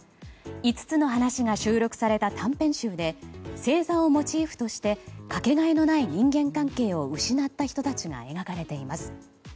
５つの話が収録された短編集で星座をモチーフとしてかけがえのない人間関係を失った人たちが描かれています。